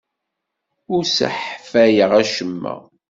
Ur sseḥfayeɣ acemma.